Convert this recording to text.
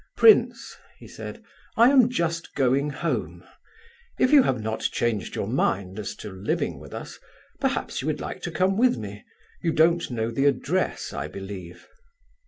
"Prince," he said, "I am just going home. If you have not changed your mind as to living with us, perhaps you would like to come with me. You don't know the address, I believe?"